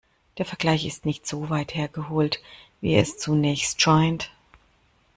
Der Vergleich ist nicht so weit hergeholt, wie es zunächst scheint.